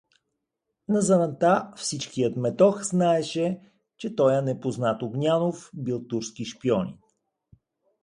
На заранта всичкият метох знаеше, че тоя непознат Огнянов бил турски шпионин!